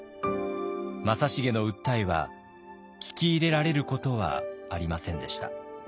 正成の訴えは聞き入れられることはありませんでした。